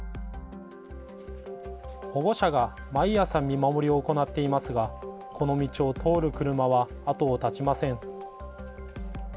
保護者が毎朝、見守りを行っていますがこの道を通る車は後を絶ちません。